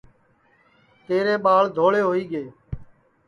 تیرے ٻاݪ دھوڑے ہوئی گے